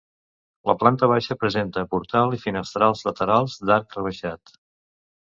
La planta baixa presenta portal i finestrals laterals d'arc rebaixat.